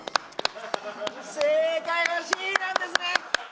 正解はＣなんですね！